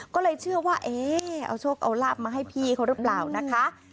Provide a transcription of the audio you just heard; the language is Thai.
ก็เลยเชื่อว่าเอ๊ะเอาโชคเอาลาบมาให้พี่เขาหรือเปล่านะคะ